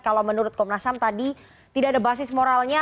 kalau menurut komnasam tadi tidak ada basis moralnya